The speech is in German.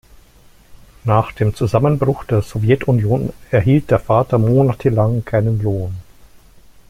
Nach dem Zusammenbruch der Sowjetunion erhielt der Vater monatelang keinen Lohn.